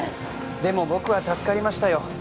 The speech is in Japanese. でも僕は助かりましたよ